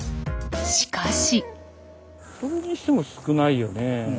しかし。